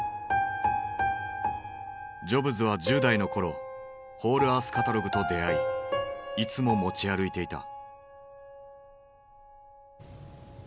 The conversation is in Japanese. ジョブズは１０代の頃「ホールアースカタログ」と出会いいつも持ち歩いていた。